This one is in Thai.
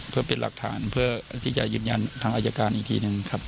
เพื่อเป็นหลักฐานเพื่อที่จะยืนยันทางอายการอีกทีหนึ่งครับ